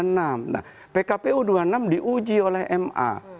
nah pkpu dua puluh enam diuji oleh ma